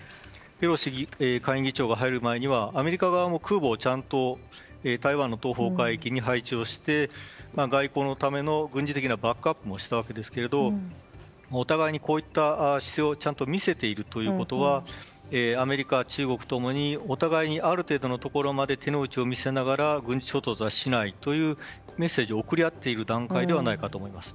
ペロシ下院議長が入る前にはアメリカ側も空母をちゃんと台湾の東方海域に配置をして外交のための軍事的なバックアップもしたわけですがお互いにこういった姿勢をちゃんと見せているということはアメリカ、中国ともにお互いにある程度のところまで手の内を見せながら軍事衝突はしないというメッセージを送り合っている段階ではないかと思います。